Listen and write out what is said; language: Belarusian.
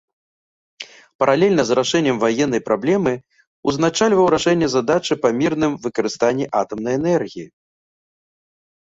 Паралельна з рашэннем ваеннай праблемы узначальваў рашэнне задачы па мірным выкарыстанні атамнай энергіі.